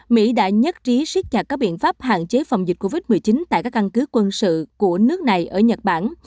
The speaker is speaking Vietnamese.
mỹ đã nhất trí siết chặt các biện pháp hạn chế phòng dịch covid một mươi chín tại các căn cứ quân sự của nước này ở nhật bản